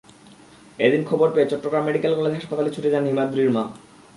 এদিন খবর পেয়ে চট্টগ্রাম মেডিকেল কলেজ হাসপাতালে ছুটে যান হিমাদ্রীর মা।